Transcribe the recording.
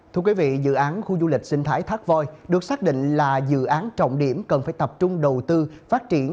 thưa quý vị dự án khu du lịch sinh thái thác voi được xác định là dự án trọng điểm cần phải tập trung đầu tư phát triển